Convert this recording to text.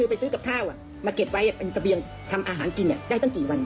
ไปซื้อกับข้าวมาเก็บไว้เป็นเสบียงทำอาหารกินได้ตั้งกี่วัน